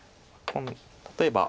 例えば。